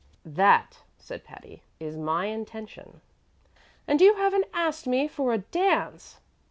"That," said Patty, "is my intention." "And you haven't asked me for a dance!"